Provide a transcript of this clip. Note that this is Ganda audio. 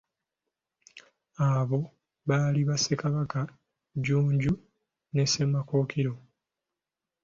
Abo baali ba Ssekabaka Jjunju ne Ssemakookiro.